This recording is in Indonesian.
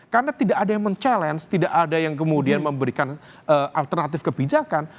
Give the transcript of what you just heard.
karena tidak ada yang men challenge tidak ada yang kemudian memberikan alternatif kebijakan